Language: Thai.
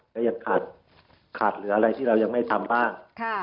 ก็ยังขาดเหลืออะไรที่เรายังไม่ทำบ้าง